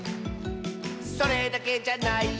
「それだけじゃないよ」